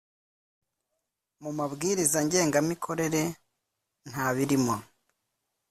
Mumabwiriza ngengamikorere ntabirimo.